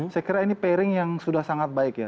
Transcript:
saya kira ini paying yang sudah sangat baik ya